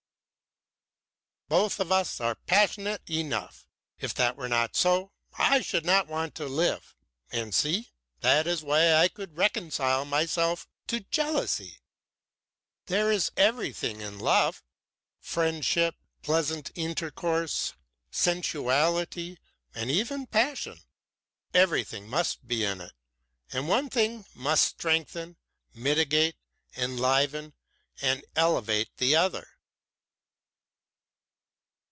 "Both of us are passionate enough. If that were not so, I should not want to live. And see! That is why I could reconcile myself to jealousy. There is everything in love friendship, pleasant intercourse, sensuality, and even passion. Everything must be in it, and one thing must strengthen, mitigate, enliven and elevate the other."